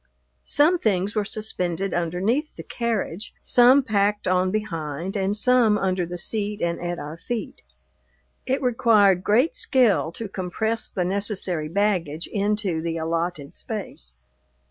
Some things were suspended underneath the carriage, some packed on behind, and some under the seat and at our feet. It required great skill to compress the necessary baggage into the allotted space.